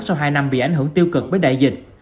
sau hai năm bị ảnh hưởng tiêu cực với đại dịch